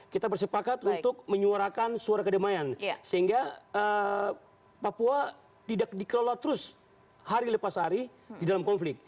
kita bersepakat untuk menyuarakan suara kedamaian sehingga papua tidak dikelola terus hari lepas hari di dalam konflik